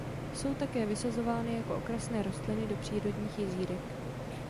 Jsou také vysazovány jako okrasné rostliny do přírodních jezírek.